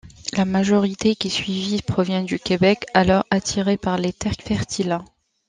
La majorité qui suivit provient du Québec, alors attirés par les terres fertiles.